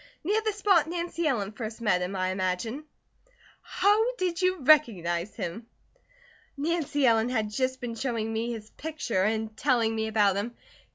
Near the spot Nancy Ellen first met him I imagine." "How did you recognize him?" "Nancy Ellen had just been showing me his picture and telling me about him.